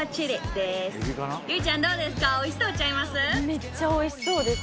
めっちゃおいしそうです